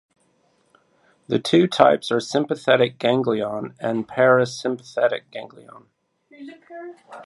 The two types are sympathetic ganglion and parasympathetic ganglion.